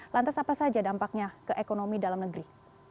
lantas apa saja dampaknya ke ekonomi dalam negeri